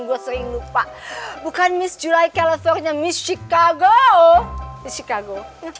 gua sering lupa bukan miss july keleponnya miss chicago di chicago